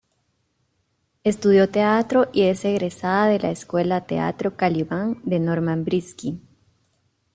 Estudio teatro y es egresada de la Escuela teatro Calibán de Norman Briski.